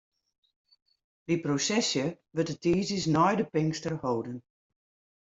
Dy prosesje wurdt de tiisdeis nei de Pinkster holden.